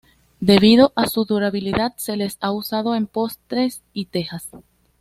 Debido a su durabilidad se le ha usado en postes y tejas.